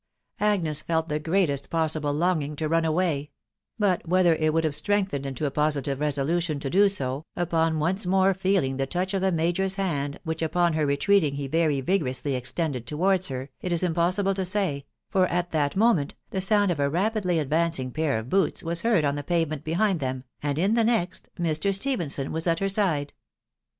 Agnes felt the greatest possible longing to run away ; but whether it would have strengthened into a positive resolution to do so, upon once more feeling the touch of the major's hand, which upon her retreating he very vigorously extended towards her, it is impossible to say, for at that moment the sound of a rapidly advancing pair of boots was heard on the pavement behind them, and in the next Mr. Stephenson was at her side.